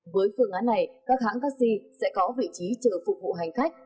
với phương án này các hãng taxi sẽ có vị trí chờ phục vụ hành khách